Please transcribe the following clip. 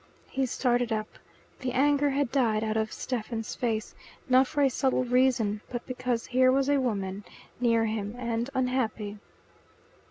He started up. The anger had died out of Stephen's face, not for a subtle reason but because here was a woman, near him, and unhappy.